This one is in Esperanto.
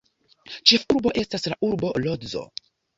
Ĉefurbo estas la urbo Lodzo.